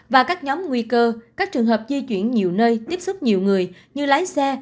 và các nhóm nguy cơ các trường hợp di chuyển nhiều nơi tiếp xúc nhiều người như lái xe